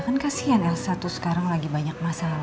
kan kasian elsa tuh sekarang lagi banyak masalah